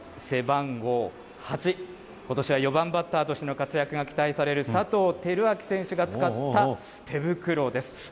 背番号８、ことしは４番バッターとしての活躍が期待される佐藤輝明選手が使った手袋です。